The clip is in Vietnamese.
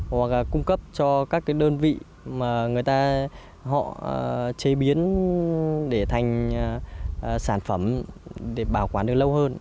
hoặc là cung cấp cho các cái đơn vị mà người ta họ chế biến để thành sản phẩm để bảo quản được lâu hơn